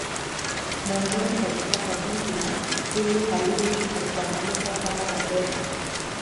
Mwanzoni kabisa kabila hili halikufahamika kama Wabena